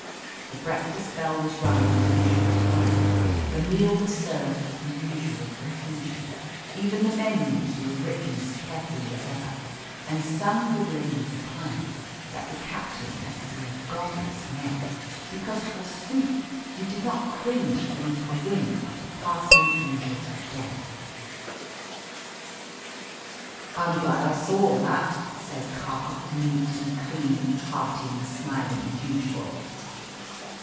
The breakfast bell was rung at the usual time, the meal was served with the usual profusion, even the menus were written as carefully as ever; and some good ladies opined that the captain must be a godless man, because forsooth he did not cringe beneath the wing of the passing Angel of Death. "I am glad I saw that," said Carr, neat and clean, hearty and smiling as usual.